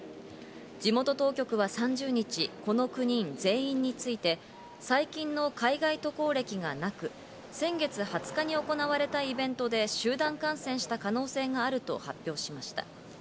地元当局は３０日、この９人全員について最近の海外渡航歴がなく先月２０日に行われたイベントで集団感染した可能性があると発表しました。